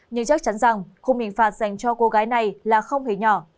nhưng chắc chắn rằng khung hình phạt dành cho cô gái này là không hề nhỏ